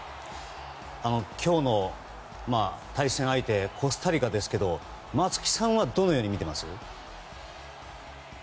今日の対戦相手コスタリカですけど松木さんはどのようにみています？